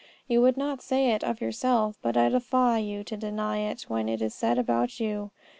You would not say it of yourself, but I defy you to deny it when it is said about you.